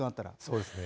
そうですね。